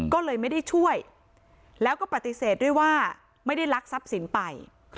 ก็เลยไม่ได้ช่วยแล้วก็ปฏิเสธด้วยว่าไม่ได้ลักทรัพย์สินไป